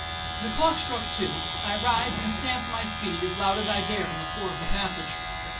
The clock struck two,—I writhed and stamped with my feet, as loud as I dared, on the floor of the passage.